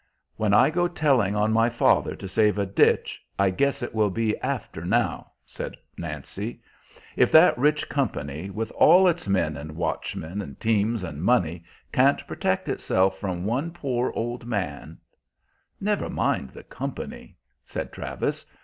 "When I go telling on my father to save a ditch, I guess it will be after now," said Nancy. "If that rich company, with all its men and watchmen and teams and money, can't protect itself from one poor old man" "Never mind the company," said Travis.